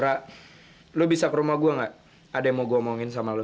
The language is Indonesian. ra lo bisa ke rumah gua nggak ada yang mau gue omongin sama lo